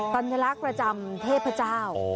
อ๋อสัญลักษณ์ประจำเทพเจ้าอ๋อ